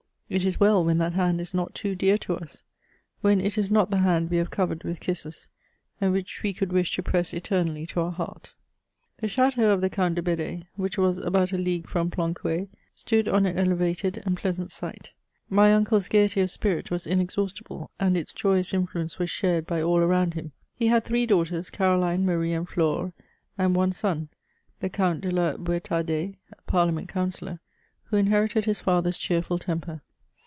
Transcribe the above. It is well when that hand is not too dear to us ! when it is not the hand we have covered with kisses, and which we could wish to press eternally to our heart ! The chateau of the Count de Bed^, which was about a league from Flancouet, stood on an elevated and pleasant site. My uncle's gaiety of spirit was inexhaustible, and its joyous influence was shared by all around him. He had three daughters Caroline, Marie, and Flore : and one son, the Count de la Bouetardais, a Parliament Cousellor, who inherited his father's cheerful temper.